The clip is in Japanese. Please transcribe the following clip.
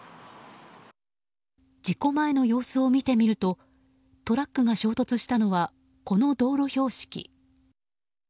事故前の様子を見てみるとトラックが衝突したのはこの道路標識。